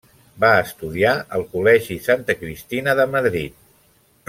Va estudiar al col·legi Santa Cristina de Madrid.